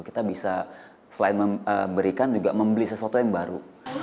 kita bisa selain memberikan juga membeli sesuatu yang baru